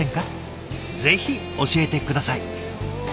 ぜひ教えて下さい。